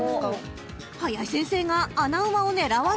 ［林先生が穴馬を狙わない！？］